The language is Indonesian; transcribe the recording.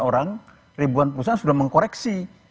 orang ribuan perusahaan sudah mengkoreksi